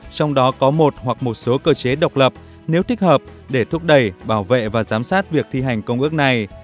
trong đó có một hoặc một số cơ chế độc lập nếu thích hợp để thúc đẩy bảo vệ và giám sát việc thi hành công ước này